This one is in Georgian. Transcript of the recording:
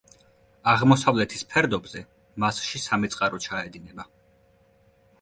აღმოსავლეთის ფერდობზე მასში სამი წყარო ჩაედინება.